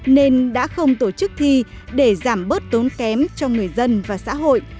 nên đã không tổ chức thi để giảm bớt tốn kém cho người dân và xã hội